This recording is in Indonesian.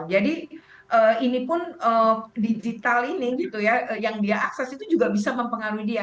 jadi ini pun digital ini gitu ya yang dia akses itu juga bisa mempengaruhi dia